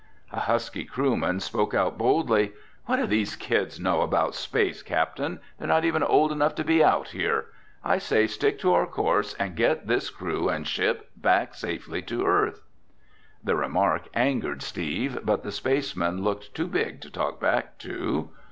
A husky crewman spoke out boldly, "What do these kids know about space, Captain? They're not even old enough to be out here! I say stick to our course and get this crew and ship back safely to Earth!" The remark angered Steve, but the spaceman looked too big to talk back to.